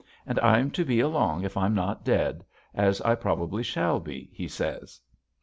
And I'm to be along if I'm not dead, as I probably shall be, he says.